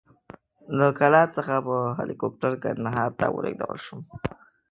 له کلات څخه په هلیکوپټر کندهار ته ولېږدول شوم.